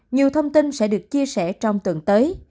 nhiều thông tin sẽ được chia sẻ trong tuần tới